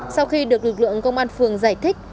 sau khi được lực lượng công an phường giải thích